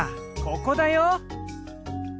ここだよ！